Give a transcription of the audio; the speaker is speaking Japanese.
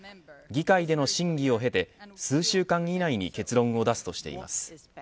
議会での審議を経て数週間以内に結論を出すとしています。